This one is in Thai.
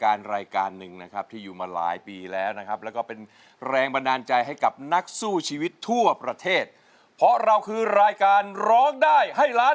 กระติกาการแข่งขันผู้เข้าแข่งขันจะต้องร้องเพลงให้ถูกต้องทุกคำในแต่ละเพลงเพื่อจะพิทิศเงินรางวัลตามลำดับขั้นสูงสุดถึง๑ล้านบาท